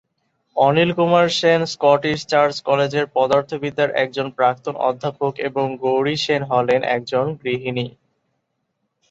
Anil Kumar Sen Scottish church কলেজের পদার্থবিদ্যার একজন প্রাক্তন অধ্যাপক এবং গৌরী সেন হলেন একজন গৃহিণী।